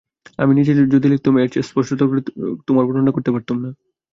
আমি নিজে যদি লিখতুম, এর চেয়ে স্পষ্টতর করে তোমার বর্ণনা করতে পারতুম না।